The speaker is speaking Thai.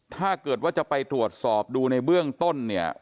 ถ้าเกิดว่าจะไปตรวจสอบดูในเบื้องต้นเนี่ย